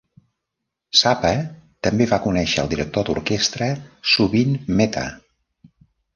Zappa també va conèixer el director d'orquestra Zubin Mehta.